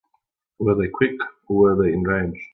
Were they quick or were they enraged?